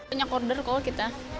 banyak order kalau kita